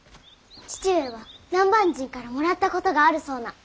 父上は南蛮人からもらったことがあるそうな。